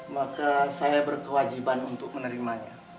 maka saya berkewajiban untuk menerimanya